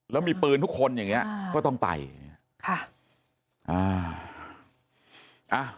แล้วมีปืนทุกคนอย่างเงี้ยก็ต้องไปค่ะอ่า